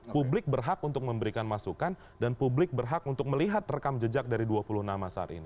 publik berhak untuk memberikan masukan dan publik berhak untuk melihat rekam jejak dari dua puluh nama saat ini